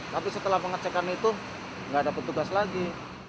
tapi setelah pengecekan itu nggak ada petugas lagi